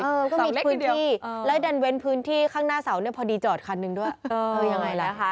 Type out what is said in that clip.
ก็มีพื้นที่และดันเว้นพื้นที่ข้างหน้าเสาร์พอดีจอดคันนึงด้วยยังไงล่ะคะ